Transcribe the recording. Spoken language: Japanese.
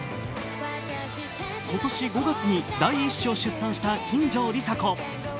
今年５月に第１子を出産した金城梨紗子。